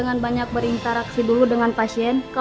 sampai jumpa di video selanjutnya